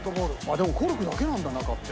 「でもコルクだけなんだ中って」